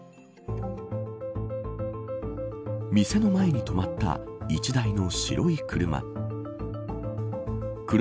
店の前に止まった１台の白い車。